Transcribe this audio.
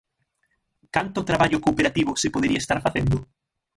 ¿Canto traballo cooperativo se podería estar facendo?